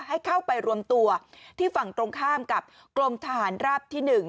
ให้เข้าไปรวมตัวที่ฝั่งตรงข้ามกับกรมทหารราบที่๑